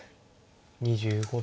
２５秒。